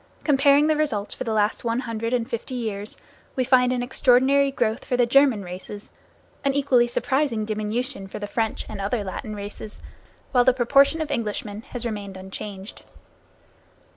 Comparing the results for the last one hundred and fifty years, we find an extraordinary growth for the German races, an equally surprising diminution for the French and other Latin races, while the proportion of Englishmen has remained unchanged.